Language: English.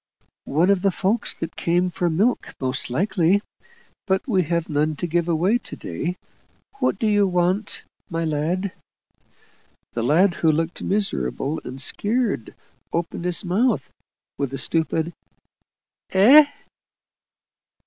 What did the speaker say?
"One of the folk that come for milk most likely but we have none to give away to day. What do you want, my lad?" The lad, who looked miserable and scared, opened his mouth with a stupid "Eh?"